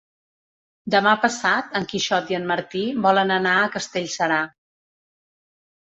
Demà passat en Quixot i en Martí volen anar a Castellserà.